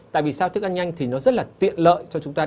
tại vì sao thức ăn nhanh thì nó rất là tiện lợi cho chúng ta